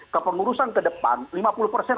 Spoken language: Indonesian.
kepengurusan ke depan